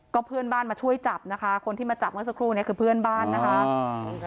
ก็เพื่อนบ้านมาช่วยจับนะคะคนที่มาจับเมื่อสักครู่นี้คือเพื่อนบ้านนะคะ